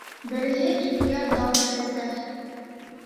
Береһе илгә дан сәсә